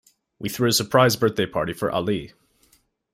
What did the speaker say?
We threw a surprise birthday party for Ali.